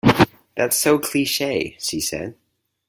"That's so cliche" she said.